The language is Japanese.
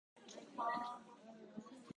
泣きっ面に蜂